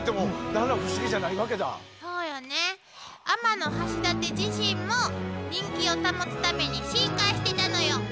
天橋立自身も人気を保つために進化してたのよ！